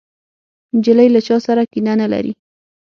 نجلۍ له چا سره کینه نه لري.